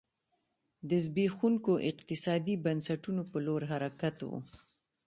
د زبېښونکو اقتصادي بنسټونو په لور حرکت و.